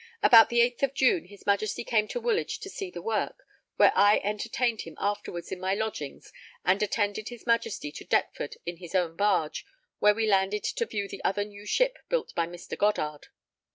About the 8th of June, his Majesty came to Woolwich to see the work, where I entertained him afterwards in my lodgings and attended his Majesty to Deptford in his own barge, where he landed to view the other new ship built by Mr. Goddard.